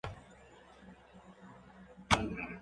அவன் பாடிய அந்தப்பாட்டைப் பாடமுடியுமா என்று கேட்டான்.